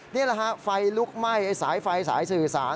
นี่แหละฮะไฟลุกไหม้สายไฟสายสื่อสาร